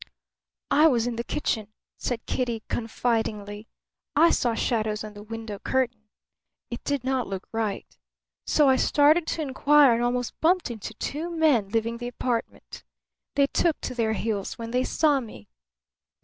"I was in the kitchen," said Kitty, confidingly. "I saw shadows on the window curtain. It did not look right. So I started to inquire and almost bumped into two men leaving the apartment. They took to their heels when they saw me."